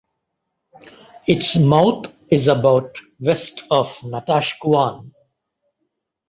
Its mouth is about west of Natashquan.